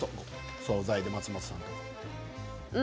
お総菜で、松本さんとかは。